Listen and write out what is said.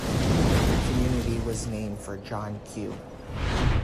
The community was named for John Q.